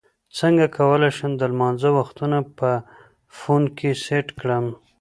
څنګه کولی شم د لمانځه وختونه په فون کې سیټ کړم